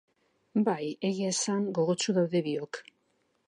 Bai, egia esan, gogotsu gaude biok.